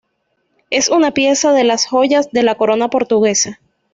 Es una pieza de las Joyas de la Corona Portuguesa.